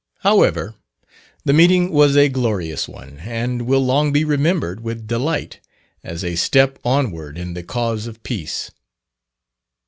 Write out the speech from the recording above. However, the meeting was a glorious one, and will long be remembered with delight as a step onward in the cause of Peace.